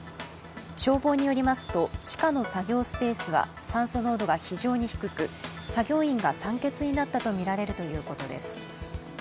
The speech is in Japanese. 消防によりますと地下の作業スペースは酸素濃度が非常に低く作業員が酸欠になったとみられるということです。